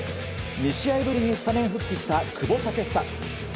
２試合ぶりにスタメン復帰した久保建英。